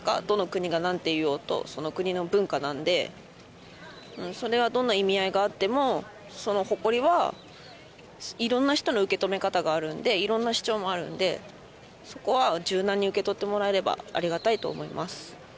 どの国が何て言おうとその国の文化なんでうんそれはどんな意味合いがあってもその誇りは色んな人の受け止め方があるんで色んな主張もあるんでそこは柔軟に受け取ってもらえればありがたいと思います